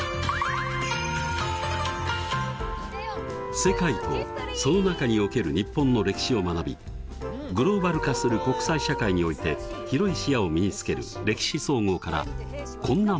世界とその中における日本の歴史を学びグローバル化する国際社会において広い視野を身につける「歴史総合」からこんな問題です。